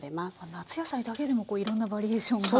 夏野菜だけでもいろんなバリエーションが。